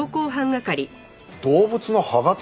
動物の歯形？